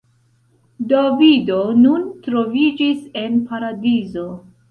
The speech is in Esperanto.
Davido nun troviĝis en Paradizo.